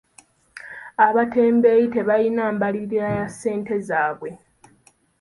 Abatembeeyi tebalina mbalirira ya ssente zaabwe.